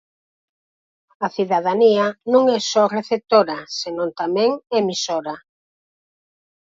A cidadanía non é só receptora senón tamén emisora.